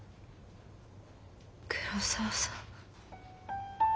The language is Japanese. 黒沢さん。